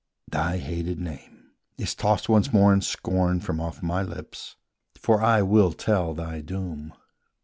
Thy hated name is tossed once more in scorn From off my lips, for I will tell thy doom.